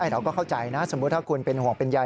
เราก็เข้าใจนะสมมุติถ้าคุณเป็นห่วงเป็นใย